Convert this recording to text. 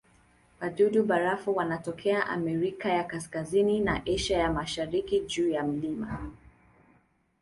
Wadudu-barafu wanatokea Amerika ya Kaskazini na Asia ya Mashariki juu ya milima.